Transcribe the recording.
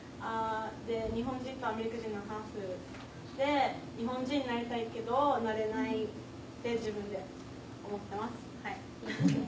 で日本人とアメリカ人のハーフで日本人になりたいけどなれないって自分で思ってますはい。